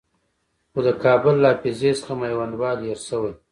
خو د کابل له حافظې څخه میوندوال هېر شوی.